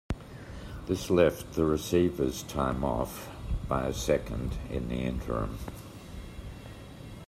This left the receiver's time off by a second in the interim.